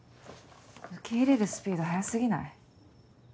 受け入れるスピード速すぎない？